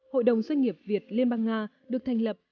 hội đồng doanh nghiệp việt liên bang nga được thành lập